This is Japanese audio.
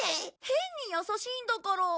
変に優しいんだから！